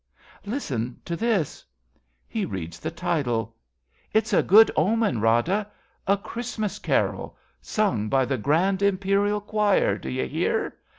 Listen to this ! {He reads the title.) It's a good omen, Rada — A Christmas carol Sung by the Gi^and Imperial Choir — d' you hear?